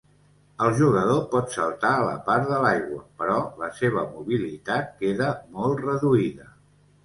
El jugador pot saltar a la part de l'aigua, però la seva mobilitat queda molt reduïda.